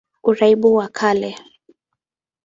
Uarabuni wa Kale